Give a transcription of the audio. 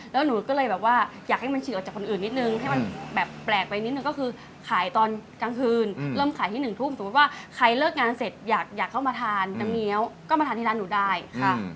แล้วหนูก็เลยแบบว่าอยากให้มันฉีกออกจากคนอื่นนิดนึงให้มันแบบแปลกไปนิดนึงก็คือขายตอนกลางคืนเริ่มขายที่หนึ่งทุ่มสมมุติว่าใครเลิกงานเสร็จอยากเข้ามาทานน้ำเงี้ยวก็มาทานที่ร้านหนูได้ค่ะ